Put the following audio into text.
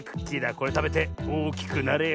これたべておおきくなれよ。